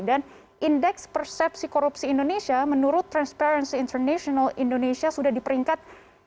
dan indeks persepsi korupsi indonesia menurut transparency international indonesia sudah di peringkat satu ratus dua